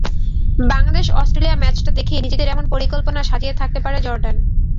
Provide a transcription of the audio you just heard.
Bangladesh Australia ম্যাচটা দেখেই নিজেদের এমন পরিকল্পনা সাজিয়ে থাকতে পারে জর্ডান।